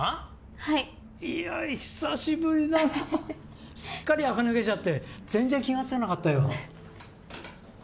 はいいや久しぶりだなすっかりあか抜けちゃって全然気がつかなかったよ